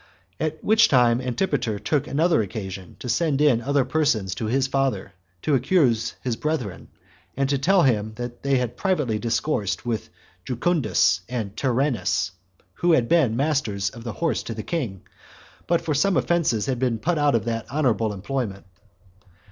At which time Antipater took another occasion to send in other persons to his father to accuse his brethren, and to tell him that they had privately discoursed with Jucundus and Tyrannus, who had once been masters of the horse to the king, but for some offenses had been put out of that honorable employment.